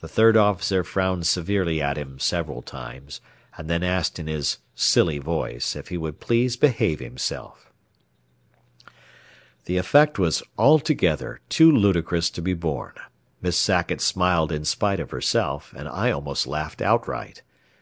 The third officer frowned severely at him several times, and then asked in his silly voice if he would please behave himself. The effect was altogether too ludicrous to be borne. Miss Sackett smiled in spite of herself and I almost laughed outright.